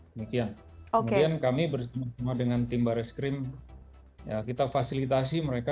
kemudian kami bersama sama dengan tim barreskrim ya kita fasilitasi mereka